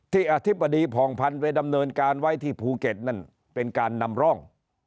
อธิบดีผ่องพันธุ์ไปดำเนินการไว้ที่ภูเก็ตนั่นเป็นการนำร่อง